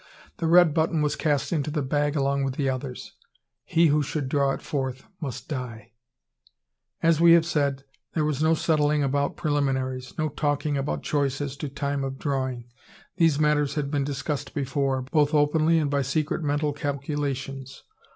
The red button was cast into the bag along with the others. "He who should draw it forth must die." As we have said, there was no settling about preliminaries, no talking about choice as to the time of drawing. These matters had been discussed before, both openly and by secret mental calculations.